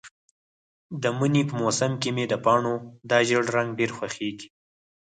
د مني په موسم کې مې د پاڼو دا ژېړ رنګ ډېر خوښیږي.